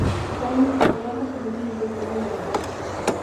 Tamén buscan alianzas cos veciños do outro lado da raia.